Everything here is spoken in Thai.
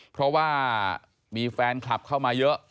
เพราะว่ามีแฟนคลับเข้ามาเยอะ